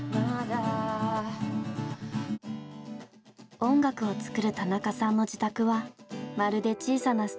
音楽を作る田中さんの自宅はまるで小さなスタジオです。